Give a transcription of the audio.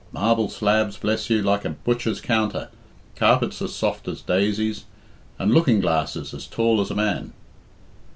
Marble slabs, bless you, like a butcher's counter; carpets as soft as daisies, and looking glasses as tall as a man."